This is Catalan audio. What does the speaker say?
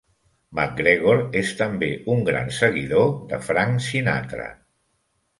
McGregor és també un gran seguidor de Frank Sinatra.